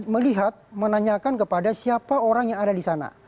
melihat menanyakan kepada siapa orang yang ada di sana